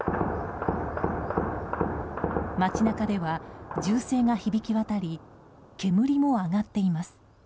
街中では銃声が響き渡り煙も上がっています。